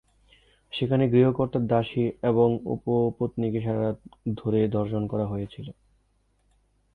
সেখানে গৃহকর্তার দাসী এবং উপপত্নীকে সারা রাত ধরে ধর্ষণ করা হয়েছিল।